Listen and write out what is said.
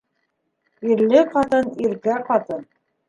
Ирле ҡатын иркә ҡатын.